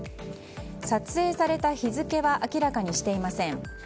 撮影された日付は明らかにしていません。